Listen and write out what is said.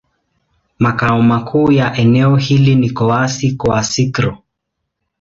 Makao makuu ya eneo hilo ni Kouassi-Kouassikro.